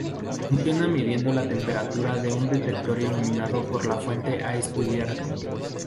Funciona midiendo la temperatura de un detector iluminado por la fuente a estudiar.